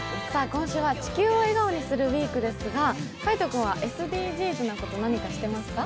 今週は「地球を笑顔にするＷＥＥＫ」ですが海音君はＳＤＧｓなこと、何かしてますか？